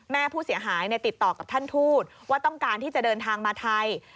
แม่ผู้เสียหายติดต่อกับท่านทูตว่าต้องการที่จะเดินทางมาไทย